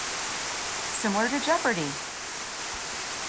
Similar to Jeopardy!